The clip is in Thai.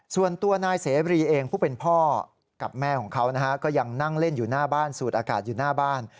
ส่วนตัวนายเสรีเองผู้เป็นพ่อกับแม่ของเขานะฮะก็ยังนั่งเล่นอยู่หน้าบ้านสูดอากาศอยู่หน้าบ้าน